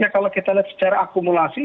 kalau kita lihat secara akumulasi